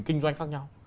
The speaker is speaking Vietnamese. kinh doanh khác nhau